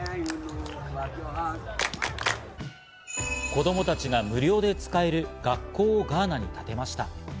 子供たちが無料で使える学校をガーナに建てました。